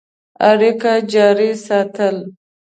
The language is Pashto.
اړیکي جاري ساتل.